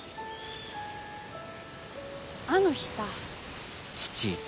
あの日さ。